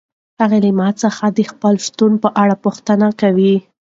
هغه له ما څخه د خپل شتون په اړه پوښتنه کوي.